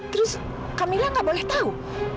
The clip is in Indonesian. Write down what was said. terus kamila gak boleh tahu